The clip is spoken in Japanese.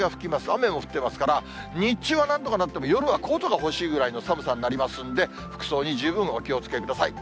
雨も降ってますから、日中はなんとかなっても、夜はコートが欲しいぐらいの寒さになりますんで、服装に十分お気をつけください。